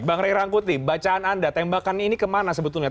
bang ray rangkuti bacaan anda tembakan ini kemana sebetulnya